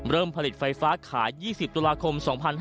เริ่มผลิตไฟฟ้าขาย๒๐ตุลาคม๒๕๖๒